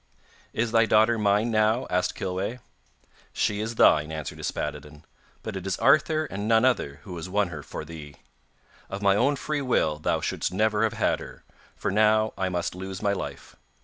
'Is thy daughter mine now?' asked Kilweh. 'She is thine,' answered Yspaddaden, 'but it is Arthur and none other who has won her for thee. Of my own free will thou shouldst never have had her, for now I must lose my life.